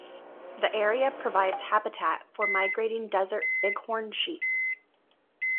The area provides habitat for migrating desert bighorn sheep.